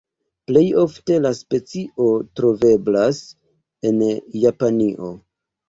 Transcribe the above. Plej ofte la specio troveblas en Japanio.